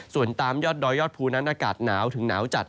ส่วนตามยอดดอยยอดภูนั้นอากาศหนาวถึงหนาวจัด